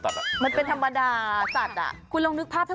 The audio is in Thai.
แต่มันหายร้อนไง